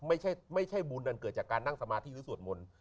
ไม่ใช่บุญนั้นเกิดจากการนั่งสมาธิหรือสวดมนต์